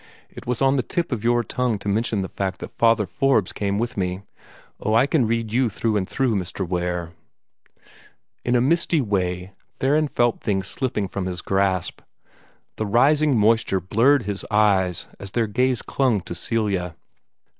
"It was on the tip of your tongue to mention the fact that Father Forbes came with me. Oh, I can read you through and through, Mr. Ware." In a misty way Theron felt things slipping from his grasp. The rising moisture blurred his eyes as their gaze clung to Celia.